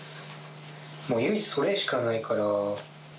唯一、それしかないから。